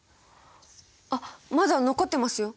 あっまだ残ってますよ！